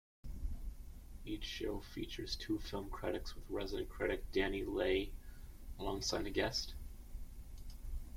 Each show features two film critics, with resident critic Danny Leigh alongside a guest.